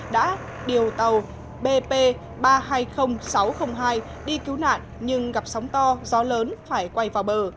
đã điều tàu bp ba trăm hai mươi nghìn sáu trăm linh hai đi cứu nạn nhưng gặp sóng to gió lớn phải quay vào bờ